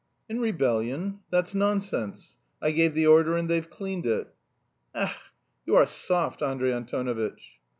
"In rebellion? That's nonsense; I gave the order and they've cleaned it." "Ech, you are soft, Andrey Antonovitch!"